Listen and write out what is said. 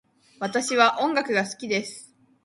私は音楽が好きです。